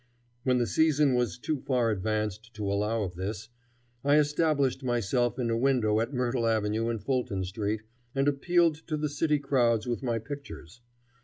When the season was too far advanced to allow of this, I established myself in a window at Myrtle Avenue and Fulton Street and appealed to the city crowds with my pictures.